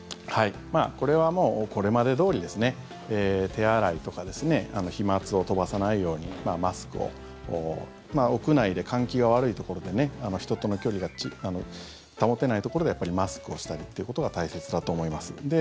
これはもうこれまでどおり手洗いとか飛まつを飛ばさないようにマスクを屋内で換気が悪いところで人との距離が保てないところでマスクをしたりということが大切だと思います。